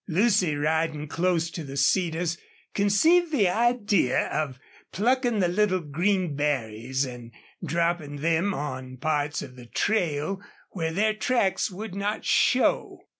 Lucy, riding close to the cedars, conceived the idea of plucking the little green berries and dropping them on parts of the trail where their tracks would not show.